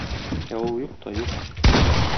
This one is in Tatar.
Ә ул юк та юк.